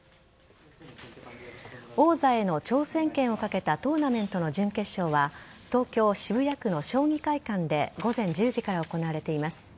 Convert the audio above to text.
王座への挑戦権を懸けたトーナメントの準決勝は東京・渋谷区の将棋会館で午前１０時から行われています。